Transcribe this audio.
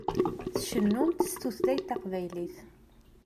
Tcennumt s tutlayt taqbaylit.